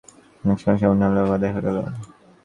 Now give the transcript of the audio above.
এক সময় সামান্য আলোর আভা দেখা গেল।